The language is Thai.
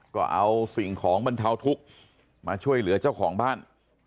ก็เอาสิ่งของบรรเทาทุกข์มาช่วยเหลือเจ้าของบ้าน